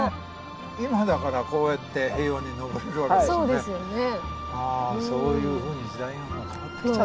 そうですよね。